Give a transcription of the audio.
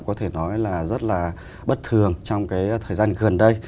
có thể nói là rất là bất thường trong cái thời gian gần đây